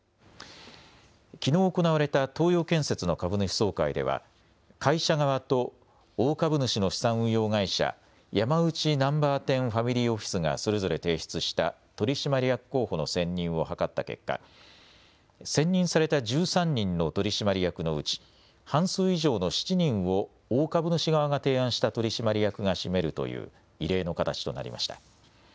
きのう行われた東洋建設の株主総会では、会社側と大株主の資産運用会社、ヤマウチ・ナンバーテン・ファミリー・オフィスがそれぞれ提出した取締役候補の選任を諮った結果、選任された１３人の取締役のうち、半数以上の７人を大株主側が提案した取締役が占めるという、異例の形となりました。